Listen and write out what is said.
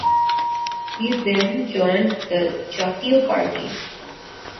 He then joined the Jatiya party.